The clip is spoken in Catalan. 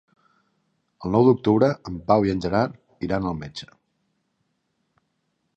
El nou d'octubre en Pau i en Gerard iran al metge.